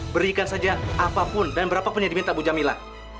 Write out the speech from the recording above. berikan saja apapun dan berapa punya diminta bu jamila